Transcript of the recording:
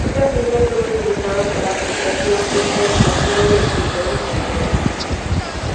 Estas islas son utilizadas para recreación, pesca deportiva, y actividades ganaderas.